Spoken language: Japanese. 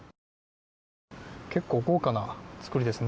結構、豪華な作りですね。